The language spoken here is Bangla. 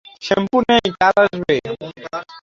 শ্যাম্পু নেই, কাল আসবে।